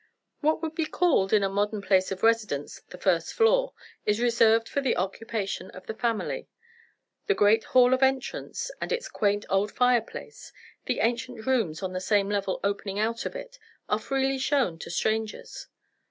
What would be called, in a modern place of residence, the first floor, is reserved for the occupation of the family. The great hall of entrance, and its quaint old fireplace; the ancient rooms on the same level opening out of it, are freely shown to strangers.